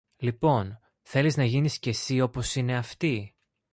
Λοιπόν, θέλεις να γίνεις και συ όπως είναι αυτοί;